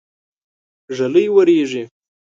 ږلۍ وريږي.